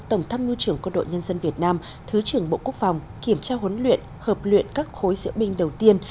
tổng tham mưu trưởng quân đội nhân dân việt nam thứ trưởng bộ quốc phòng kiểm tra huấn luyện hợp luyện các khối diễu binh đầu tiên